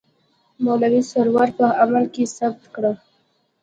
مولوي سرور په عمل کې ثابته کړه.